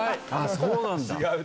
そうなんだ。